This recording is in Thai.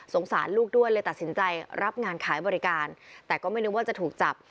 สารลูกด้วยเลยตัดสินใจรับงานขายบริการแต่ก็ไม่นึกว่าจะถูกจับ